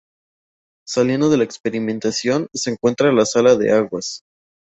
Saliendo de la "experimentación" se encuentra la Sala de Aguas.